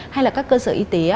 hay là các cơ sở y tế